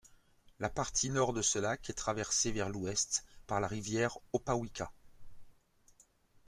La partie Nord de ce lac est traversée vers l’Ouest par la rivière Opawica.